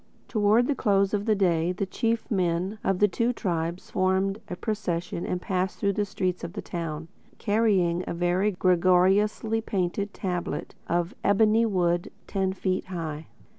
Towards the close of the day the chief men of the two tribes formed a procession and passed through the streets of the town, carrying a very gorgeously painted tablet of ebony wood, ten feet high.